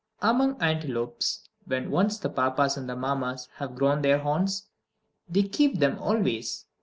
3. Among antelopes, when once the Papas and the Mammas have grown their horns, they keep them always.